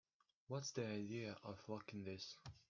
What's the idea of locking this?